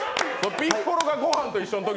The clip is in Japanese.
ピッコロが悟飯と一緒のとき。